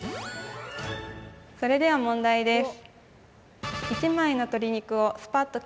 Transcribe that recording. それでは問題です。